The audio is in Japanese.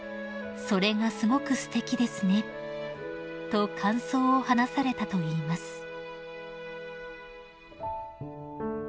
それがすごくすてきですね」と感想を話されたといいます］